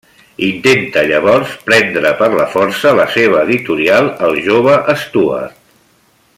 Intenta llavors prendre per la força la seva editorial al jove Stuart.